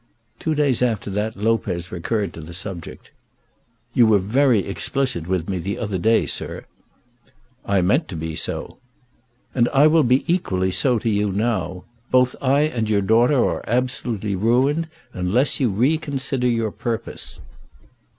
Two days after that Lopez recurred to the subject. "You were very explicit with me the other day, sir." "I meant to be so." "And I will be equally so to you now. Both I and your daughter are absolutely ruined unless you reconsider your purpose."